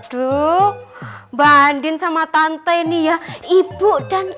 the boleh enggak kalau ki laboratory bingkit kalianberdua dass tiger